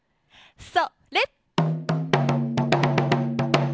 それ！